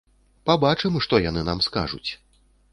Пабачым, што яны нам скажуць.